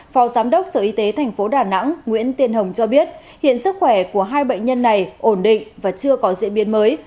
phó giám đốc sở y tế tp đà nẵng nguyễn tiên hồng cho biết hiện sức khỏe của hai bệnh nhân này ổn định và chưa có diễn biến mới